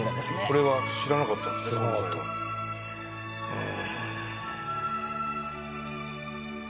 うん。